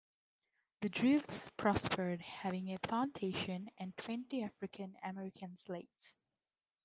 The Drews prospered, having a plantation and twenty African American slaves.